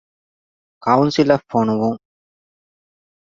ކައުންސިލަށް ފޮނުވުން.